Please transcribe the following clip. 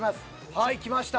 はいきました。